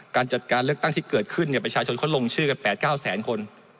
การจัดการเลือกตั้งที่เกิดขึ้นประชาชนเขาลงชื่อกัน๘๙แสนคน